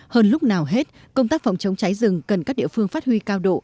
hơn lúc nào hết công tác phòng chống cháy rừng cần các địa phương phát huy cao độ